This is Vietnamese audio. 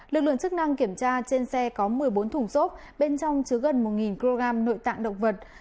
lực lượng chức năng kiểm tra trên xe có một mươi bốn thùng xốp bên trong chứa gần một kg nội tạng động vật